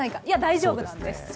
いや、大丈夫なんです。